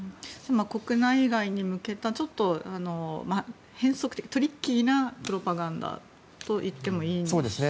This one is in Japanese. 国内外に向けたちょっとトリッキーなプロパガンダと言ってもいいんでしょうか？